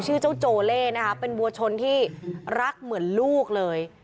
ชื่อเจ้าโจเล่นะเป็นวัวชนที่รักเหมือนลูกเลย